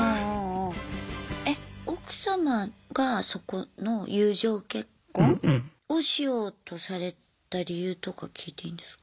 え奥様がそこの友情結婚をしようとされた理由とか聞いていいんですか？